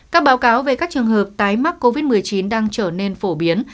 các báo cáo về các trường hợp tái mắc covid một mươi chín đang trở nên phổ biến